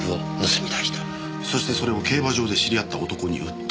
そしてそれを競馬場で知り合った男に売った。